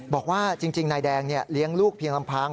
บอกว่าจริงนายแดงเลี้ยงลูกเพียงลำพัง